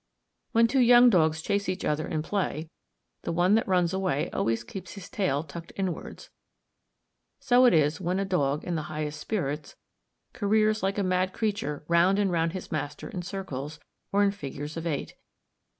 When two young dogs chase each other in play, the one that runs away always keeps his tail tucked inwards. So it is when a dog, in the highest spirits, careers like a mad creature round and round his master in circles, or in figures of eight.